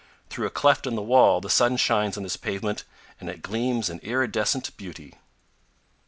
Through a cleft in the wall the sun shines on this pavement and it gleams in iridescent beauty.